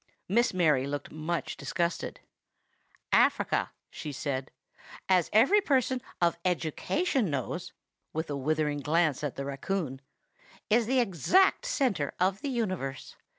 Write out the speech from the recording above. Miss Mary looked much disgusted. "Africa," she said, "as every person of education knows [with a withering glance at the raccoon], is the exact centre of the universe.